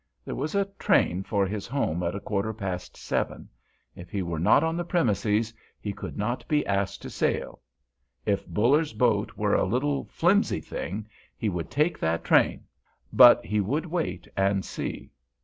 There was a train for his home at a quarter past seven; if he were not on the premises he could not be asked to sail. If Buller's boat were a little, flimsy thing, he would take that train—but he would wait and see.